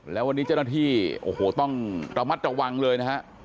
แล้ววันนี้เจ้าหน้าที่โอ้โหต้องระมัดระวังเลยนะฮะ